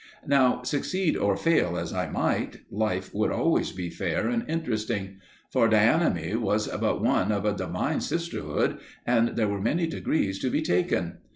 Now, succeed or fail as I might, life would always be fair and interesting, for Dianeme was but one of a divine sisterhood, and there were many degrees to be taken.